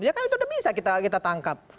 ya kan itu udah bisa kita tangkap